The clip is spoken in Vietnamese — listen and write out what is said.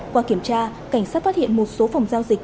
qua kiểm tra cảnh sát phát hiện một số phòng giao dịch